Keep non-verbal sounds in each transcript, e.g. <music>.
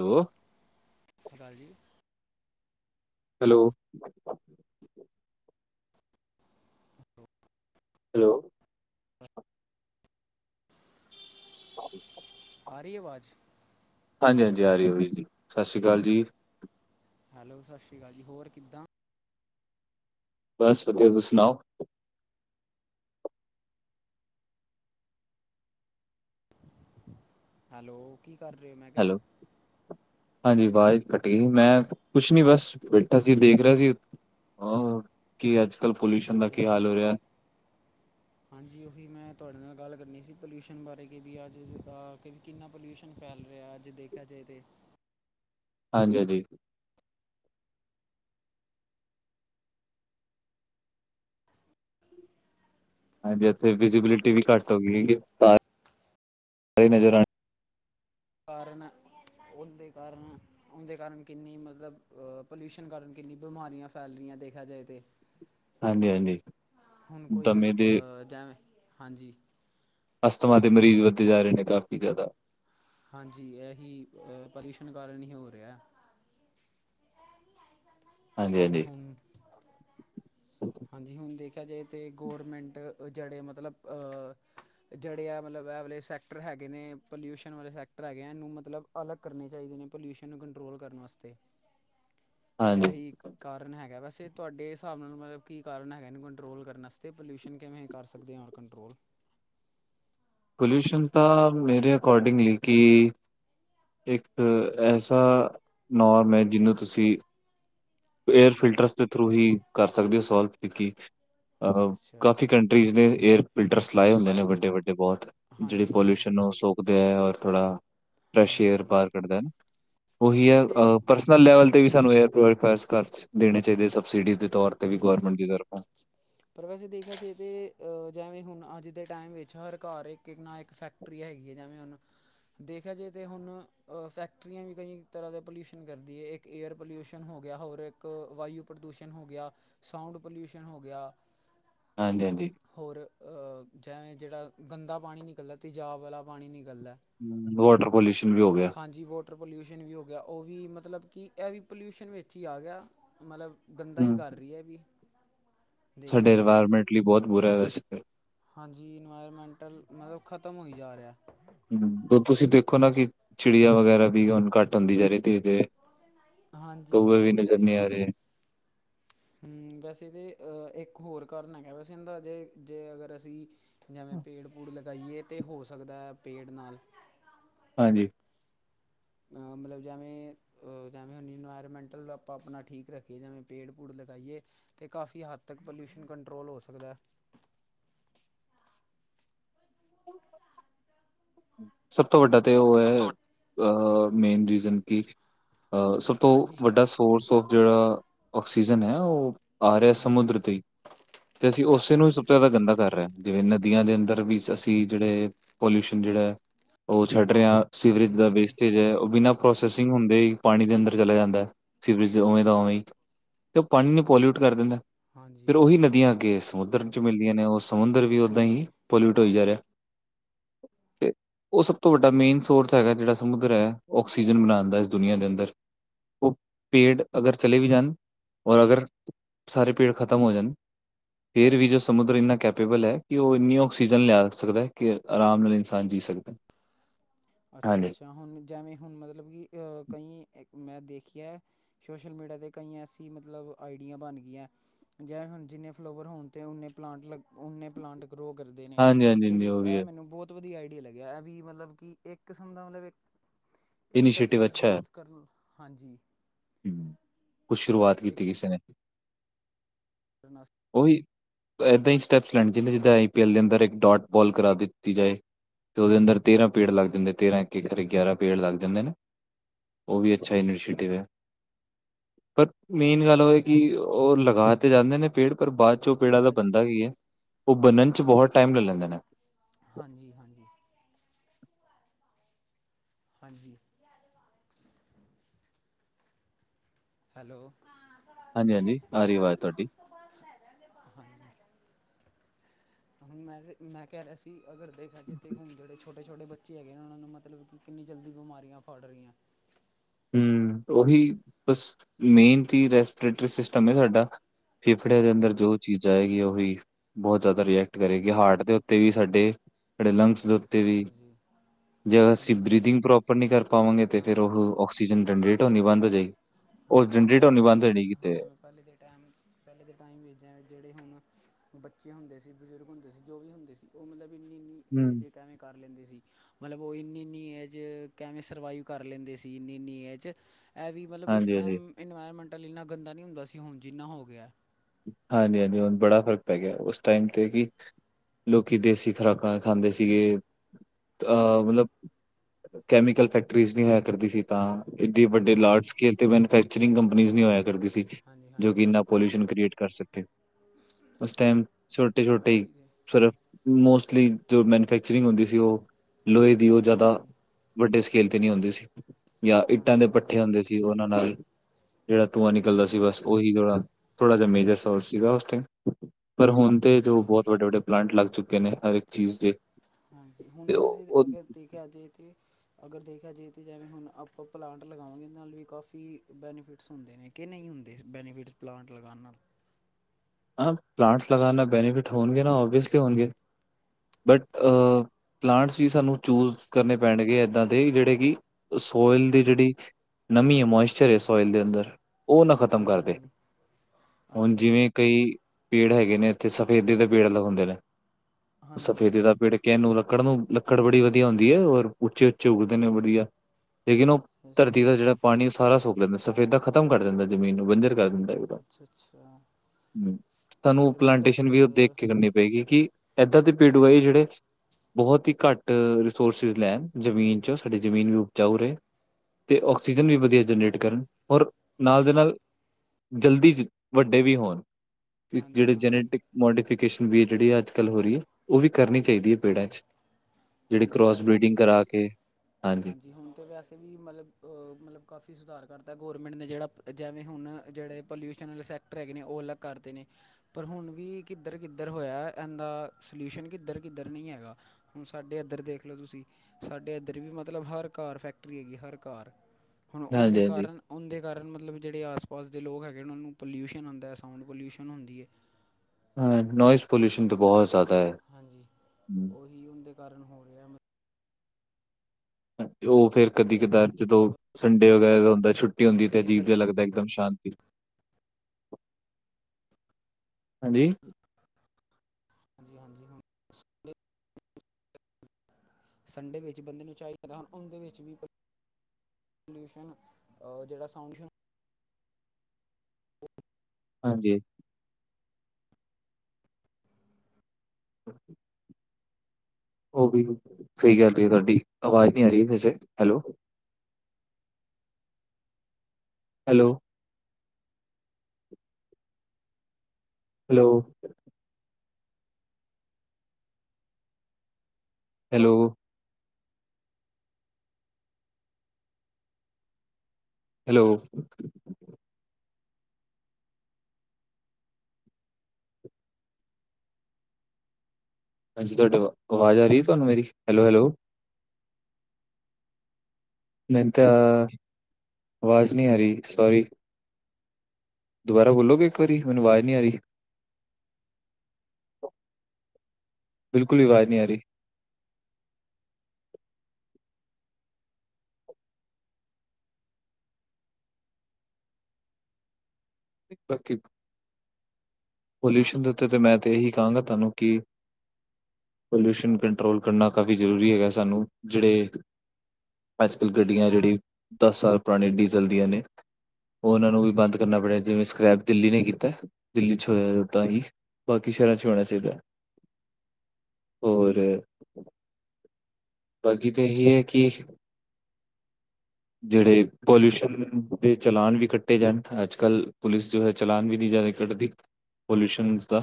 ਹੈੋ ਅਕਾਲ ਜੀ। Hello. Hello. Hello. ਆਰੀ ਏ ਆਵਾਜ਼। ਹਾਂਜੀ ਹਾਂਜੀ ਆ ਰਹੀ ਏ ਵੀਰ ਜੀ ਸਤਿ ਸ਼੍ਰੀ ਅਕਾਲ ਜੀ। ਹੈਲੋ ਸਸ਼ੀ ਕਾਲ ਜੀ ਹੋਰ ਕਿੱਦਾਂ। ਬਸ ਵਧੀਆ ਤੁਸੀਂ ਸੁਣਾਓ। ਹੈਲੋ ਕੀ ਕਰ ਰੇ ਓ ਮੈਂ ਕਯਾ। ਹੈਲੋ ਹਾਂਜੀ ਵਾਜ਼ ਕਟੀ ਗਈ ਸੀ ਮੈਂ ਕੁੱਛ ਨੀ ਬਸ ਬੈਠਾ ਸੀ ਦੇਖ ਰਿਆ ਸੀ। ਆਹੋ ਕੀ ਅੱਜ ਕਲ ਪੋਲਿਊਸ਼ਨ ਦਾ ਕੀ ਅੱਛਾ ਹਾਲ ਹੋ ਰਿਐ। ਹਾਂਜੀ ਓਹੀ ਮੈਂ ਤੁਹਾਡੇ ਨਾਲ ਗੱਲ ਕਰਨੀ ਸੀ ਪੋਲਿਊਸ਼ਨ ਬਾਰੇ ਕੀ ਵੀ ਅੱਜ ਤਾਂ। <unintelligible> ਕਿੰਨਾ ਪੋਲਿਊਸ਼ਨ ਫੈਲ ਰਿਐ ਅੱਜ ਦੇਖਿਆ ਜਾਏ ਤੇ। ਹਾਂਜੀ ਹਾਂਜੀ। ਹਾਂਜੀ ਐਥੇ ਵਿਜ਼ਬਿਲਿਟੀ ਵੀ ਘੱਟ ਹੋ ਗਈ ਹੈਗੀ <inaudible> ਨਜ਼ਰ ਆਣਾ। ਕਾਰਨ ਓਦੇ ਕਾਰਨ ਓਦੇ ਕਾਰਨ ਕਿੰਨੀ ਮਤਲਬ ਪੋਲਿਊਸ਼ਨ ਕਾਰਨ ਕਿੰਨੀ ਬਿਮਾਰੀਆਂ ਫੈਲ ਰੀਆਂ ਦੇਖਿਆ ਜਾਏ ਤੇ। ਹਾਂਜੀ ਹਾਂਜੀ ਹੁਣ ਕੋਈ ਦਮੇ ਦੇ ਅਹ ਜੈਵੇਂ ਹਾਂਜੀ। ਅਸਥਮਾਂ ਦੇ ਮਰੀਜ਼ ਵੱਧਦੇ ਜਾਰੇ ਨੇ ਕਾਫ਼ੀ ਜਾਦਾ। ਹਾਂਜੀ ਇਹੀ ਪੋਲਿਊਸ਼ਨਨ ਕਾਰਨ ਹੀ ਹੋ ਰਿਹਾ। ਹਾਂਜੀ ਕਹਿੰਦੀ ਹਾਂਜੀ ਹਮ। ਹਾਂਜੀ ਹੁਨ ਦੇਖਿਆ ਜਾਏ ਤੇ ਗੌਰਮੈਂਟ ਜਿਹੜੇ ਮਤਲਬ ਅ ਜਿਹੜੇ ਆ ਮਤਲਬ ਇਹ ਵਾਲੇ ਸੈਕਟਰ ਹੈਗੇ ਨੇ ਪੋਲਿਊਸ਼ਨ ਵਾਲੇ ਸੈਕਟਰ ਹੈਗੇ ਆ ਇਹਨੂੰ ਮਤਲਬ। ਅਲੱਗ ਕਰਨੇ ਚਾਹੀਦੇ ਨੇ ਪੋਲਿਊਸ਼ਨ ਨੂੰ ਕੰਟਰੋਲ ਕਰਨ ਵਾਸਤੇ ਇਹ ਹਾਂਜੀ ਹੀ। ਕਾਰਨ ਹੈਗਾ ਵੈਸੇ ਤੁਹਾਡੇ ਹਿਸਾਬ ਨਾਲ ਮਤਲਬ ਕੀ ਕਾਰਨ ਹੈਗਾ ਇਹਨੂੰ ਕੰਟਰੋਲ ਕਰਨ ਆਸਤੇ ਪੋਲਿਊਸ਼ਨ ਕਿਵੇਂ ਕਰ ਸਕਦੇ ਆ। ਕੰਟ੍ਰੋਲ। ਪੋਲਿਊਸ਼ਨ ਤਾਂ ਮੇਰੇ ਅਕੋਡਿੰਗਲੀ ਕਿ ਇੱਕ ਐਸਾ ਨੋਰਮ ਹੈ ਜਿਹਨੂੰ ਤੁਸੀਂ ਏਅਰ ਹਾਂਜੀ ਫਿਲਟਰਸ ਦੇ ਥਰੂ ਹੀ ਕਰ ਸਕਦੇ ਹੋ ਸੋਲਵ ਕਿਉੰਕੀ ਅ ਅੱਛਾ ਅੱਛਾ ਕਾਫੀ ਘੰਟੇ ਟ੍ਜ਼ ਨੇ ਏਅਰ ਫਿਲਟਰਸ ਲਾਏ ਹੁੰਦੇ ਨੇ ਵੱਡੇ ਵੱਡੇ ਬਹੁਤ ਜਿਹੜੇ ਹਾਂਜੀ ਹਾਂਜੀ ਪੋਲਿਊਸ਼ਨ ਨੂੰ ਸੋਕ ਦੇ ਏ ਔਰ ਥੋੜਾ ਫ਼੍ਰੇਸ਼ ਏਅਰ ਹਾਂਜੀ ਬਾਰ ਕੱਢਦਾ ਏ ਪਰ ਓਹੀ ਹੈ ਵੈਸੇ ਅ ਪਰਸਨਲ ਲੈਵਲ ਤੇ ਹਾਂਜੀ ਵੀ ਸਾਨੂੰ ਏਅਰ ਪਿਊਰੀਫਾਇਰਸ ਘਰਚ ਦੇਣੇ ਚਾਹੀਦੇ ਸਬਸਿਡੀ ਦੇ ਤੌਰ ਤੇ ਵੀ ਹਾਂਜੀ ਗੌਰਮੈਂਟ ਦੀ ਤਰਫੋਂ। ਪਰ ਵੈਸੇ ਦੇਖਿਆ ਜੇ ਤੇ ਅ ਜੇਵੇਂ ਹੁਨ ਅੱਜ ਦੇ ਟਾਈਮ ਵਿੱਚ ਹਰ ਘਰ ਇੱਕ-ਇੱਕ ਨਾ ਇੱਕ ਫੈਕ ਟ੍ਰੀ ਹੈਗੀ ਏ ਜੇਵੇਂ ਹੁਨ ਦੇਖਿਆ ਜੇ ਤੇ ਹੁਨ ਫੈਕਟਰੀਆ ਵੀ ਕਈ ਤਰਾ ਦੇ ਪੋਲਿਊਸ਼ਨ ਕਰਦੀ ਐ ਇੱਕ ਏਅਰ ਪੋਲਿਊਸ਼ਨ ਹੋ ਗਿਆ ਹੋਰ ਇੱਕ ਵਾਯੂ ਪ੍ਰਦੂਸ਼ਣ ਹੋ ਗਿਆ, ਸਾਊਂਡ ਪੋਲਿਊਸ਼ਨ ਹੋ ਗਿਆ। ਹਾਂਜੀ-ਹਾਂਜੀ। ਹੋਰ ਅ ਜੇਵੇਂ ਜਿਹੜਾ ਗੰਦਾ ਪਾਨੀ ਨਿਕਲਦਾ ਤੇਜਾਬ ਵਾਲਾ ਪਾਨੀ ਨਿਕਲਦਾ। ਹਮ ਵਾਟਰ ਪੋਲਿਊਸ਼ਨ ਵੀ ਹੋ ਗਿਆ। ਹਾਂਜੀ ਵਾਟਰ ਪੋਲਿਊਸ਼ਨ ਵੀ ਹੋ ਗਿਆ ਓਹ ਵੀ ਮਤਲਬ ਕਿ ਐਵੀ ਪੋਲਿਊਸ਼ਨ ਵਿੱਚ ਹੀ ਆ ਗਿਆ ਮਤਲਬ ਗੰਦਾ ਹੀ ਹੂੰ ਵੀ ਐ ਵੀ। ਦੇਖਿਆ ਸਾਡੇ ਜਾਏ ਤਾਂ ਇਨਵਾਇਰਮੈਂਟ ਲਈ ਬਹੁਤ ਬੁਰਾ ਵੈਸੇ। ਹਾਂਜੀ ਇਨਵਾਇਰਮੈਂਟਲ ਮਤਲਬ ਖ਼ਤਮ ਹੋਈ ਜਾ ਰਿਹਾ। ਹਨ ਤੁਸੀ ਦੇਖੋ ਨਾ ਕਿ ਚਿੜੀਆ ਵਗੈਰਾ ਵੀ ਹੁਨ ਘੱਟ ਹੁੰਦੀ ਜਾ ਰਹੀ ਧੀਰੇ-ਧੀਰੇ। ਹਾਂਜੀ ਕੋਵੇ ਵੀ ਨਜ਼ਰ ਨੀ ਆ ਰਹੇ। ਹਮ ਵੈਸੇ ਤੇ ਅਹ ਇੱਕ ਹੋਰ ਕਾਰਨ ਹੈਗਾ ਵੈਸੇ ਇਹਦਾ ਜੇ, ਜੇ ਅਗਰ ਅਸੀ ਜਿਵੇਂ ਪੇੜ-ਪੂੜ ਲਗਾਈਏ ਤਾ ਹੋ ਸਕਦਾ ਪੇੜ ਨਾਲ। ਹਾਂਜੀ। ਹਾ ਮਤਲਬ ਜੈਵੇ ਅ ਜੈਵੇਂ ਹੂੰ ਇਨਵਾਇਰਮੈਂਟਲ ਆਪਾ ਆਪਣਾ ਠੀਕ ਰੱਖੀਏ ਜੈਵੇ ਪੇੜ-ਪੂੜ ਲਗਾਈਏ। ਤੇ ਕਾਫ਼ੀ ਹੱਦ ਤੱਕ ਪੋਲਿਊਸ਼ਨ ਕੰਟਰੋਲ ਹੋ ਸਕਦਾ। ਸਭ ਤੋਂ ਵੱਡਾ ਤੇ ਉਹ ਸਭ ਤੋਂ ਹੈ ਵੱ ਅਹ ਮੇਨ ਰੀਜ਼ਨ ਕਿ ਅਹ ਸਭ ਤੋਂ ਹਾਂਜੀ ਵੱਡਾ ਸੋਰਸ ਆਫ ਜਿਹੜਾ ਆਕਸੀਜਨ ਹੈ ਉਹ ਆ ਰਿਹਾ ਹਾਂਜੀ ਸਮੁੰਦਰ ਤੇ ਹੀ ਤੇ ਅਸੀਂ ਉਸੇ ਨੂੰ ਵੀ ਸਭ ਹਾਂਜੀ ਤੋਂ ਜਾਦਾ ਗੰਦਾ ਕਰ ਰਹੇ ਆ। ਜਿਵੇਂ ਨਦੀਆ ਦੇ ਅੰਦਰ ਵੀ ਅਸੀ ਜਿਹੜੇ ਪੋਲਿਊਸ਼ਨ ਜਿਹੜਾ ਹੈ ਉਹ ਛੱਡ ਰਹੇ ਹਾ। ਹਾਂਜੀ ਸੀਵਰੇਜ ਦਾ ਹਾਂਜੀ ਵੇਸਟੇਜ ਹੈ ਓਹ ਬਿਨਾ ਪ੍ਰੋਸੈਸਿੰਗ ਹੁੰਦੇ ਹੀ ਪਾਣੀ ਦੇ ਅੰਦਰ ਚੱਲੇ ਜਾਂਦਾ ਸੀਵਰੇਜ ਓਵੇਂ ਦਾ ਓਵੇਂ ਹੀ। ਤੇ ਓਹ ਪਾਨੀ ਨੂੰ ਪੋਲਿਊਟ ਕਰ ਦਿੰਦਾ। ਫਿਰ ਹਾਂਜੀ ਓਹੀ ਨਦੀਆਂ ਅੱਗੇ ਸਮੁੰਦਰ ਚ ਮਿਲਦੀਆ ਨੇ ਓਹ ਸਮੁੰਦਰ ਵੀ ਓਦਾਂ ਹਾਂਜੀ ਹੀ ਪੋਲਿਊਟ ਹੋਈ ਜਾ ਰਿਹਾ। ਤੇ ਓਹ ਸਭ ਤੋਂ ਵੱਡਾ ਮੇਨ ਸੋਰਸ ਹੈਗਾ ਜਿਹੜਾ ਸਮੁੰਦਰ ਹੈ ਓਕਸੀਜਨ ਬਨਾਨ ਦਾ ਇਸ ਦੁਨੀਆ ਦੇ ਅੰਦਰ। ਓਹ ਪੇੜ ਅਗਰ ਚਲੇ ਵੀ ਜਾਨ ਔਰ ਅਗਰ ਸਾਰੇ ਪੇੜ ਖਤਮ ਹੋ ਜਨ। ਫੇਰ ਵੀ ਜੋ ਸਮੁੰਦਰ ਇੰਨਾ ਕੈਪੇਬਲ ਐ ਕਿ ਓਹ ਇਨੀ ਆਕਸੀਜਨ ਲਿਆ ਸਕਦਾ ਹੈ ਕਿ ਆਰਾਮ ਨਾਲ ਇਨ ਸਾਨ ਜੀ ਸਕਦਾ। ਹਾਂਜੀ, ਅੱਛਾ-ਅੱਛਾ ਹੁਨ ਜੇਵੇ ਹੁਨ ਮਤਲਬ ਕਿ ਅ ਕਈ ਮੈਂ ਦੇਖਿਆ ਸੋਸ਼ਲ ਮੀਡੀਆ ਤੇ ਕਈ ਐਸੀ ਮਤਲਬ ਆਈਡੀਆ ਬਨ ਗਈਆ ਜੇਵੇ ਹੁਨ ਜਿੰਨੇ ਫਲੋਵਰ ਹੋਨ ਤੇ ਓਨੇ ਪਲਾਂਟ ਓਨੇ ਪਲਾਂਟ ਗਰੋ ਕਰਦੇ ਨੇ ਹਾਂਜੀ, ਹਾਂਜੀ, ਕੇ ਹਾਂਜੀ ਵੀ ਉਹ ਇਹ ਹੈ। ਮੈਨੂੰ ਬਹੁਤ ਵਧੀਆ ਆਈਡੀਆ ਲੱਗਿਆ ਇਹ ਵੀ ਮਤਲਬ ਕਿ ਇੱਕ ਕਿਸਮ ਦਾ ਉਹਨੇ ਇੱਕ ਇਨੀਸ਼ੀਏਟਿਵ ਤਰਫੋਂ ਅੱਛਾ ਹੈ। ਗਰੋਥ ਕਰਨ ਹਾਂਜੀ। ਹੂੰ, ਕੁਛ ਸ਼ੁਰੂਆਤ ਇੱਕ ਕੀਤੀ ਕਿਸੇ ਨੇ। <unintelligible> ਉਹੀ ਇਦਾਂ ਹੀ ਸਟੈਪਸ ਲੈਣ ਜੇ ਜਿੱਦਾਂ ਆਈ ਪੀ ਐਲ ਦੇ ਅੰਦਰ ਇੱਕ ਡੋਟ ਬੋਲ ਕਰਾ ਦਿੱਤੀ ਜਾਏ। ਤੇ ਉਹਦੇ ਅੰਦਰ ਤੇਰਾ ਪੇੜ ਲੱਗ ਜਾਂਦੇ ਤੇਰਾ ਇਕ-ਇਕ ਕਰ ਕੇ ਗਿਆਰਾ ਪੇੜ ਲੱਗ ਜਾਂਦੇ ਨੇ। ਉਹ ਵੀ ਅੱਛਾ ਇਨੀਸ਼ੀਏਟਿਵ ਹੈ ਪਰ ਮੇਨ ਬੱਚੇ ਗੱਲ ਉਹ ਹੈ ਲਗਾ ਕਿ ਉਹ ਲਗਾ ਤੇ ਜਾਂਦੇ ਨੇ ਪੇੜ ਪਰ ਬਾਦ ਚ ਉਹ ਹਾਂਜੀ ਪੇੜਾਂ ਦਾ ਅੱਜ ਬਣਦਾ ਕੀ ਏ। ਉਹ ਬਣਨ ਚ ਬਹੁਤ ਟਾਈਮ ਲੈ ਲੈਂਦੇ ਨੇ। ਹਾਂਜੀ-ਹਾਂਜੀ। ਹਾਂਜੀ। ਹੈਲੋ। ਬਾਚ ਲੈ ਹਾਂਜੀ-ਹਾਂਜੀ, ਜਾਂਗੇ ਆ ਰਹੀ ਤੁਹਾਨੂੰ ਆਵਾਜ਼ ਤੁਹਾਡੀ। ਮੈਂ ਲੈ ਜਾਂਗੀ। ਮੈਂ ਕਹਿ ਰਿਹਾ ਸੀ ਅਗਰ ਦੇਖਿਆ ਜੇ ਹੁਣ ਜਿਹੜੇ ਛੋਟੇ-ਛੋਟੇ ਬੱਚੇ ਹੈਗੇ ਨੇ ਉਹਨਾਂ ਨੂੰ ਮਤਲਬ ਕਿ ਕਿੰਨੀ ਜਲਦੀ ਬਿਮਾਰੀਆਂ ਫੜ ਰਹੀਆਂ। ਹਮ ਉਹੀ ਬਸ ਮੇਨ ਤੇ ਰੈਸਪੀਰੇਟਰੀ ਸਿਸਟਮ ਹੈ ਸਾਡਾ। ਫੇਫੜਿਆਂ ਦੇ ਅੰਦਰ ਹਾਂਜੀ ਜੋ ਚੀਜ਼ ਜਾਏਗੀ ਉਹੀ ਬਹੁਤ ਜ਼ਿਆਦਾ ਰਿਐਕਟ ਕਰੇਗੀ ਹਾਂਜੀ ਹਾਰਟ ਦੇ ਉੱਤੇ ਵੀ ਸਾਡੇ ਲੰਗਸ ਦੇ ਉੱਤੇ ਵੀ ਹਾਂਜੀ ਜੇ ਹੁਣ ਅਸੀਂ ਜਿਵੇਂ ਬ੍ਰਰੀਥਿੰਗ ਪ੍ਰੋਪਰ ਨਹੀਂ ਕਰ ਪਾਵਾਂਗੇ ਤੇ ਫੇਰ ਉਹ ਹਾਂਜੀ ਕਿਸੇ ਨੂ ਜਨਰੇਟ ਹੋਣੀ ਬੰਦ ਹੋ ਜੇਗੀ ਉਹ ਹਾਂਜੀ ਜਨਰੇਟ ਹੋਣੀ ਬੰਦ ਹੋ ਪਹਿਲੇ ਜੇਗੀ ਹੁਣ ਤੇ ਜਿਵੇਂ ਪਹਿਲੇ ਦੇ ਟੈਮ ਪਹਿਲੇ ਦੇ ਟਾਈਮ ਵਿੱਚ ਜਿਹੜੇ ਹੁਣ ਬੱਚੇ ਹੁੰਦੇ ਸੀ ਬਜ਼ੁਰਗ ਹੁੰਦੇ ਸੀ ਜੋ ਵੀ ਹੁੰਦੇ ਸੀ। ਉਹ ਮਤਲਬ ਇੰਨੀ, ਇੰਨੀ ਹੂੰ, ਏਜ ਕੈਵੇਂ ਕਰ ਲੈਂਦੇ ਸੀ। ਮਤਲਬ ਉਹ ਇੰਨੀ-ਇੰਨੀ ਏਜ ਕਿਵੇਂ ਸਰਵਾਈਵ ਕਰ ਲੈਂਦੇ ਸੀ ਇੰਨੀ- ਇੰਨੀ ਏਜ ਇਹ ਵੀਤ ਉਸ ਟੈਮ ਹਾਂਜੀ-ਹਾਂਜੀ, ਇਨਵਾਇਰਮੈਂਟੱਲ ਇੰਨਾ ਗੰਦਾ ਨਹੀਂ ਹੁੰਦਾ ਸੀ। ਹੁਣ ਜਿੰਨਾ ਹੋ ਗਿਆ। ਹਾਂਜੀ-ਹਾਂਜੀ ਹੁਣ ਬੜਾ ਫ਼ਰਕ ਪੈ ਗਿਆ ਉਸ ਟਾਈਮ ਤੇ ਕਿ ਲੋਕੀ ਦੇਸੀ ਖੁਰਾਕ ਆਪ ਖਾਂਦੇ ਸੀਗੇ ਅਹ ਹਾਂਜੀ ਮਤਲਬ ਕੈਮੀਕਲ ਫੈਕਟਰੀਜ਼ ਨਹੀਂ ਹੋਇਆ ਕਰਦੀ ਸੀ ਤਾਂ ਇਡੇ ਵੱਡੇ ਹਾਂਜੀ ਲਾਰਡ ਲ ਤੇ ਮੈਨੂਫੈਕਚਰਿੰਗ ਕੰਪਨੀ ਨੀ ਹੋਇਆ ਕਰਦੀ ਸੀ ਹਾਂਜੀ ਜੋ ਕਿ ਹਾਂਜੀ ਇੰਨਾ ਪੋਲਿਊਸ਼ਨ ਕ੍ਰੀਏਟ ਕਰ ਸਕੇ ਉਸ ਟਾਈਮ ਛੋਟੇ-ਛੋਟੇ ਉਹੀ ਤੇ ਸਿਰਫ ਮੋਸਟਲੀ ਜੋ ਮੈਨੂਫੈਕਚਰਿੰਗ ਹੁੰਦੀ ਸੀ ਉਹ ਲੋਹੇ ਦੀ ਉਹ ਜ਼ਿਆਦਾ ਹਾਂਜੀ ਵੱਡੇ ਸਕੇਲ ਤੇ ਨਹੀਂ ਹੁੰਦੀ ਸੀ। ਜਾਂ ਇੱਟਾਂ ਦੇ ਹਾਂਜੀ ਪੱਠੇ ਹਾਂਜੀ ਹੁੰਦੇ ਸੀ ਉਹਨਾਂ ਨਾਲ ਜਿਹੜਾ ਧੂੰਆ ਨਿਕਲਦਾ ਸੀ ਹਾਂਜੀ ਬਸ ਉਹੀੜਾ ਥੋੜਾ ਜਿਹਾ ਮੇਜਰ ਸੋਰਸ ਸੀਗਾ ਉਸ ਟਾਇਮ ਪਰ ਹੁਣ ਤੇ ਜੋ ਜੀ ਬਹੁਤ ਵੱਡੇ-ਵੱਡੇ ਪਲਾਂਟ ਲੱਗ ਚੁੱਕੇ ਨੇ ਹਰ ਇੱਕ ਚੀਜ਼ ਦੇ ਹਾਂਜੀ ਹੁਣ ਤੇ ਵੀ ਅਸੇ ਉਹ ਅਰ ਦੇਖਿਆ ਜਾਏ ਤੇ ਅਗਰ ਦੇਖਿਆ ਜੇ ਤਾਂ ਜਿਵੇਂ ਹੁਣ ਆਪਾਂ ਪਲਾਂਟ ਲਗਾਵਾਂਗੇ ਤੇ ਇਹਦੇ ਨਾਲ ਵੀ ਕਾਫੀ ਬੈਨੀਫਿਟਸ ਹੁੰਦੇ ਨੇ ਕਿ ਨਹੀਂ ਹੁੰਦੇ ਬੈਨੀਫਿਟਸ ਪਲਾਂਟ ਲਗਾਣ ਨਾਲ ਹਾਂ ਪਲਾਟਸ ਲਗਾਣ ਨਾਲ ਬੈਨੀਫਿਟਸ ਹੋਣਗੇ ਨਾ ਓਬਵੀਅਸਲੀ ਹੋਣਗੇ ਬਟ ਪਲਾਂਟਸ ਵੀ ਸਾਨੂੰ ਚੂਜ ਕਰਨੇ ਪੈਣਗੇ ਏਦਾਂ ਦੇ ਜਿਹੜੇ ਕਿ ਸੋਇਲ ਦੀ ਜਿਹੜੀ ਨਮੀ ਏ ਮੋਇਸਚਰ ਹੈ ਸੋਇਲ ਦੇ ਅੰਦਰ ਉਹ ਨਾ ਖ਼ਤਮ ਹਾਂਜੀ ਕਰਦੇ ਹਾਂਜੀ ਹੁਣ ਅੱਛਾ ਅੱਛਾ ਜਿਵੇਂ ਕਈ ਪੇੜ ਹੈਗੇ ਨੇ ਇੱਥੇ ਸਫੈਦੇ ਦੇ ਪੇੜ ਅਲੱਗ ਹੁੰਦੇ ਨੇ ਹਾਂਜੀ ਸਫੇਦੇ ਦਾ ਪੇੜ ਕਨੂੰ ਲੱਕੜ ਨੂੰ ਲੱਕੜ ਬੜੀ ਵਧੀਆ ਹੁੰਦੀ ਏ ਔਰ ਉੱਚੇ- ਉੱਚੇ ਉੱਗਦੇ ਨੇ ਹਾਂਜੀ ਵਧੀਆ ਲੇਕਿਨ ਉਹ ਸਤਿ ਧਰਤੀ ਸ਼੍ਰੀ ਦਾ ਅਕਾਲ ਜਿਹੜਾ ਪਾਣੀ ਉਹ ਸਾਰਾ ਸੌਕ ਲੈਂਦਾ ਸਫੈਦਾ ਖਤਮ ਕਰ ਦਿੰਦਾ ਜਮੀਨ ਬੰਜਰ ਕਰ ਦਿੰਦਾ। ਅੱਛਾ-ਅੱਛਾ। ਤਾਨੂੰ ਪਲਾਂਟੇਸ਼ਨ ਵੀ ਦੇਖ ਅ, ਕੇ ਕਰਨੀ ਪਏਗੀ ਕਿ ਏਦਾਂ ਦੇ ਪੇੜ ੳਗਾਏ ਜਿਹੜੇ ਬਹੁਤ ਹੀ ਘੱਟ ਰਿਸੋਰਸਿਸ ਲੈਣ ਜ਼ਮੀਨ ਚ ਸਾਡੀ ਜ਼ਮੀਨ ਵੀ ਉਪਜਾਊ ਰਹੇ। ਅਤੇ ਆਕਸੀਜਨ ਵੀ ਵਧੀਆ ਜਨਰੇਟ ਕਰਨ ਔਰ ਨਾਲ ਦੇ ਨਾਲ ਜਲਦੀ ਵੱਡੇ ਵੀ ਹੋਣ ਹਾਂਜੀ ਜਿਹੜੇ ਹਾਂਜੀ ਜੈਨੇਟਿਕ ਮੋਡੀਫਿਕੇਚ ਜਿਹੜੀ ਅੱਜ-ਕੱਲ੍ਹ ਹੋ ਰਹੀ ਏ। ਉਹ ਵੀ ਕਰਨੀ ਚਾਹੀਦੀ ਹੈ ਪੇੜਾਂ ਹਾਂਜੀ ਚ ਜਿਹੜੇ ਹੁਣ ਤਾਂ ਕਰੋਸ ਵੈਸੇ ਬਰੀਡਿੰਗ ਵੀ ਕਰਾ ਕੇ ਹਾਂਜੀ ਹੁਣ ਤੇ ਵੈਸੇ ਵੀ ਮਤਲਬ ਮਤਲਬ ਕਾਫੀ ਸੁਧਾਰ ਕਰਤਾ ਗੌਰਮੈਂਟ ਨੇ ਜਿਹੜਾ ਜਿਵੇਂ ਹੁਣ ਜਿਹੜੇ ਪੋਲਿਊਸ਼ਨ ਵਾਲੇ ਸੈਕ ਟਰ ਨੇ ਉਹ ਅਲੱਗ ਕਰਤੇ ਨੇ ਪਰ ਹੁਣ ਵੀ ਕਿੱਧਰ-ਕਿੱਧਰ ਹੋਇਆ ਇਦਾ ਸਲਿਊਸ਼ਨ ਕਿੱਧਰ-ਕਿੱਧਰ ਨਹੀਂ ਹੈਗਾ। ਹੁਣ ਸਾਡੇ ਐਧਰ ਦੇਖ ਲਓ ਤੁਸੀਂ- ਸਾਡੇ ਇੱਧਰ ਵੀ ਮਤਲਬ ਹਰ ਘਰ ਫੈਕਟਰੀ ਹੈਗੀ ਹਰ ਘਰ ਹੁਣ ਹਾਂਜੀ, ਉਹਦੇ ਹਾਂਜੀ ਕਾਰਨ ਉਹਂਦੇ ਕਾਰਨ ਮਤਲਬ ਜਿਹੜੇ ਆਸ-ਪਾਸ ਦੇ ਲੋਕ ਹੈਗੇ ਉਹਨਾਂ ਨੂੰ ਪੋਲਿਊਸ਼ਨ ਹੂੰਦਾ ਸਾਊਂਡ ਪੋਲਿਊਸ਼ਨ ਹੁੰਦੀ ਏ। ਹਾਂ ਨੋਇਸ ਪੋਲਿਊਸ਼ਨ ਤਾਂ ਬਹੁਤ ਜ਼ਿਆਦਾ ਹੈ। ਹਾਂਜੀ ਹੂੰ, ਉਹੀ ਉਹਂਦੇ ਕਾਰਨ ਹੋ ਰਿਹਾ। ਉਹ ਫੇਰ ਕਦੀ ਕਿ ਕਦਾਰ ਜਦੋਂ ਸੰਡੇ ਵਗੈਰਾ ਦਾ ਹੁੰਦਾ ਛੁੱਟੀ ਹੁੰਦੀ ਤੇ ਹਾਂਜੀ ਅਜੀਬ ਜਿਹਾ ਲੱਗਦਾ ਇੱਕਦਮ ਸ਼ਾਂਤ। ਹਾਂਜੀ ਹਾਂਜੀ ਹਾਂ ਸੰਡੇ ਵਿੱਚ ਬੰਦੇ ਨੂੰ ਚਾਹੀਦਾ ਹਨ ਉਦੇ ਵਿੱਚ ਵੀ। ਗਏ ਸਨ ਜਿਹੜਾ ਸਾਊਂਡ। <unintelligible> ਹਾਂਜੀ। ਹ <unintelligible> ਉਹ ਵੀ ਸਹੀ ਗੱਲ ਰਹੀ ਹੈ ਤੁਹਾਡੀ ਆਵਾਜ਼ ਨੀ ਆ ਰਹੀੇ hello. Hello hello hello hello ਹਾਂਜੀ ਤੁਹਾਡੇ ਵੱਲ ਆਵਾਜ਼ ਆ ਰਹੀ ਹੈ ਤੁਹਾਨੂੰ ਮੇਰੀ ਹੈਲੋ ਹੈਲੋ। ਨਹੀਂ ਤਾਂ ਆਵਾਜ਼ ਨਹੀਂ ਆ ਰਹੀ ਸੋਰੀ। ਦੁਬਾਰਾ ਬੋਲੋਗੇ ਇੱਕ ਵਾਰੀ ਮੈਨੂੰ ਆਵਾਜ਼ ਨਹੀਂ ਆ ਰਹੀ। ਬਿਲਕੁਲ ਵੀ ਆਵਾਜ਼ ਨਹੀਂ ਆ ਰਹੀ। ਬਾਕੀ। ਪੋਲਿਊਸ਼ਨ ਦੇ ਉੱਤੇ ਤੇ ਮੈਂ ਤੇ ਏਹੀ ਕਹਾਂਗਾ ਤੁਹਾਨੂੰ ਕਿ। ਪੋਲਿਊਸ਼ਨ ਕੰਟਰੋਲ ਕਰਨਾ ਕਾਫ਼ੀ ਜ਼ਰੂਰੀ ਹੈਗਾ ਸਾਨੂੰ ਜਿਹੜੇ। ਅੱਜ ਕੱਲ੍ਹ ਗੱਡੀਆਂ ਜਿਹੜੀਆਂ ਦਸ ਸਾਲ ਪੁਰਾਣੇ ਡੀਜ਼ਲ ਦੀਆਂ ਨੇ। ਉਹਨਾਂ ਨੂੰ ਵੀ ਬੰਦ ਕਰਨਾ ਪੈਣਾ ਜਿਵੇਂ ਸਕ੍ਰੇਪ ਦਿੱਲੀ ਨੇ ਕੀਤਾ। ਅੱਛਾ ਹੋਇਆ ਤਾਂਹੀ ਬਾਕੀ ਸ਼ਹਿਰਾਂ ਵਿੱਚ ਹੋਣਾ ਚਾਹੀਦਾ। ਹੋਰ ਬਾਕੀ ਤਾਂ ਏ ਹੈ ਕਿ। <inaudible> ਜਿਹੜੇ ਪੋਲਿਊਸ਼ਨ ਦੇ ਚਲਾਨ ਵੀ ਕੱਟੇ ਜਾਣ ਅੱਜ ਕੱਲ ਪੁਲਿਸ ਜੋ ਹੈ ਚਲਾਨ ਵੀ ਨੀ ਜਾ। ਕਟਦੀ ਪੋਲਊਸ਼ਨਸ ਦਾ।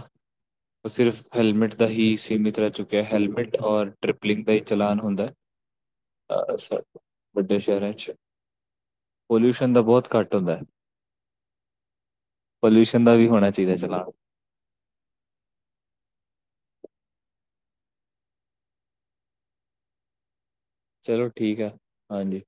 ਉਹ ਸਿਰਫ਼ ਹੈਲਮੇਟ ਦਾ ਹੀ ਸੀਮਿਤ ਰਹਿ ਚੁੱਕਿਆ ਹੈਲਮੇਟ ਔਰ ਟ੍ਰਿਪਲਿੰਗ ਦਾ ਈ ਚਲਾਨ ਹੁੰਦਾ। ਹ ਅੱਛਾ ਵੱਡੇ ਸ਼ਹਿਰਾਂ ਵਿੱਚ। ਪੋਲਿਊਸ਼ਨ ਦਾ ਬਹੁਤ ਘੱਟ ਹੁੰਦਾ ਹੈ ਪੋਲਿਊਸ਼ਨ ਦਾ ਵੀ ਹੋਣਾ ਚਾਹੀਦਾ। ਦੀ ਵੈਸੇ ਨਾਲ। ਚਲੋ ਠੀਕ ਹੈ ਹਾਂਜੀ।